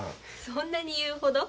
そんなに言うほど？